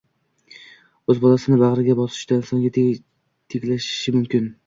o'z bolasini bag'riga bosishda insonga tenglashishi mumkin.